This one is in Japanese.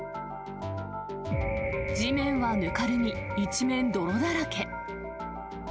地面はぬかるみ、一面泥だらけ。